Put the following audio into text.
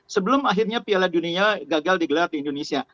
sebelum akhirnya piala dunia gagal di gelar di indonesia